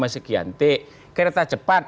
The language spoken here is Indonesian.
lima sekian t kereta cepat